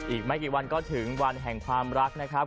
อีกไม่กี่วันก็ถึงวันแห่งความรักนะครับ